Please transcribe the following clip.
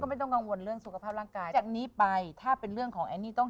ไม่ต้องกังวลเรื่องสุขภาพร่างกายจากนี้ไปถ้าเป็นเรื่องของแอนนี่ต้อง